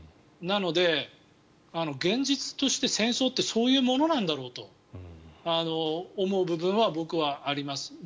なので、現実として戦争ってそういうものなんだろうと思う部分は僕はあります。